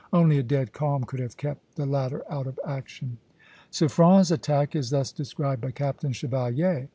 Only a dead calm could have kept the latter out of action. Suffren's attack is thus described by Captain Chevalier.